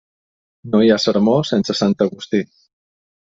No hi ha sermó sense sant Agustí.